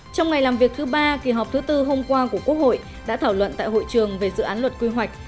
trong ngày làm việc thứ ba kỳ họp thứ tư hôm qua của quốc hội đã thảo luận tại hội trường về dự án luật quy hoạch